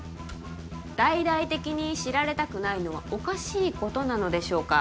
大々的に知られたくないのはおかしいことなのでしょうか？